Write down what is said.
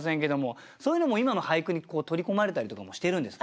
そういうのも今の俳句に取り込まれたりとかもしてるんですか？